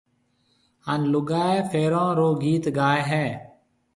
ھان لوگائيَ ڦيرون رو گيت گائيَ ھيََََ